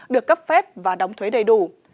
được cấp phép và đóng thuế đầy đủ